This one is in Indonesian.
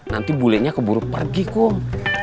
nanti bule nya keburu pergi kum